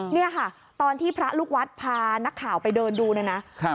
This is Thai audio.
เนี่ยค่ะตอนที่พระลูกวัดพานักข่าวไปเดินดูเนี่ยนะ